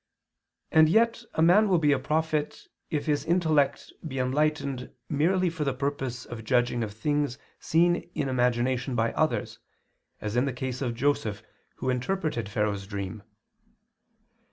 And yet a man will be a prophet, if his intellect be enlightened merely for the purpose of judging of things seen in imagination by others, as in the case of Joseph who interpreted Pharaoh's dream.